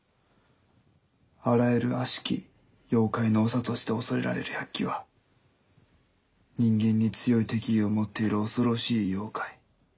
「あらゆるあしき妖怪の長として恐れられる百鬼は人間に強い敵意を持っている恐ろしい妖怪。